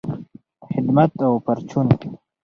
خدمت او پرچون